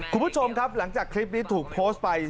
คุณผู้ชมครับหลังจากคลิปนี้ถูกโพสต์ไป